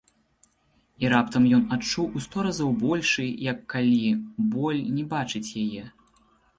І раптам ён адчуў у сто разоў большы, як калі, боль не бачыць яе.